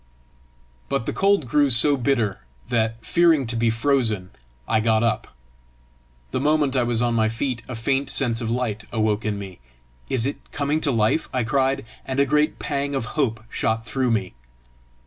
But the cold grew so bitter that, fearing to be frozen, I got up. The moment I was on my feet, a faint sense of light awoke in me. "Is it coming to life?" I cried, and a great pang of hope shot through me.